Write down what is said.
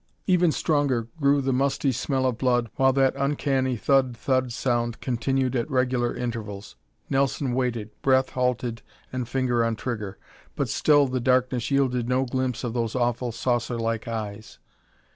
Even stronger grew the musty smell of blood while that uncanny thud! thud! sound continued at regular intervals. Nelson waited, breath halted and finger on trigger, but still the darkness yielded no glimpse of those awful saucer like eyes.